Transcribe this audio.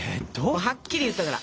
もうはっきり言ったから。